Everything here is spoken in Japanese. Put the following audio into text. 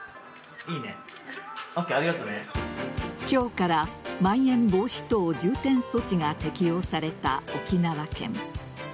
今日からまん延防止等重点措置が適用された沖縄県。